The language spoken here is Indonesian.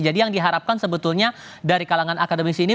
jadi yang diharapkan sebetulnya dari kalangan akademisi ini